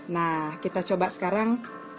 nah kita coba sekarang